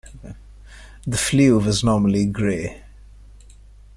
The Fleuve is normally grey.